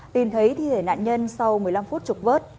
tìm thấy thi thể nạn nhân sau một mươi năm phút trục vớt